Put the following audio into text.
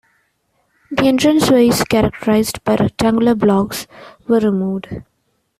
The entrance ways, characterized by rectangular blocks, were removed.